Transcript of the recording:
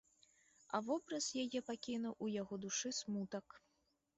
А вобраз яе пакінуў у яго душы смутак.